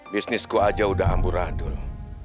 bisnisku aja udah amburan dulu